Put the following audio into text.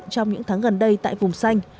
trong những tháng gần đây tại vùng xanh